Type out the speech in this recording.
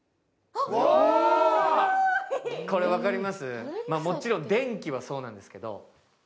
これ分かります？